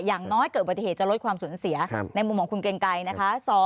อย่างน้อยเกิดอุบัติเหตุจะลดความสูญเสียในมุมของคุณเกรงไกรนะคะ